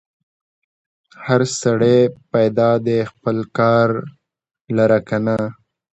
هر سړی پیدا دی خپل خپل کار لره که نه؟